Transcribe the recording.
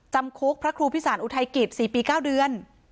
จำคุกพระครูพิสารอุทัยกิจ๔ปี๙เดือน